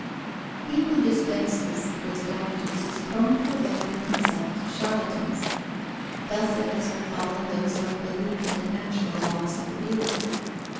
_ He who dispenses with doctors is prone to abandon himself to charlatans. Thus it has befallen those who have believed in the natural laws of the beautiful.